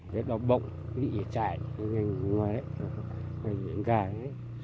rất là bỗng bị chảy ngay ngoài đấy ngay ngoài đấy ngay ngoài gà đấy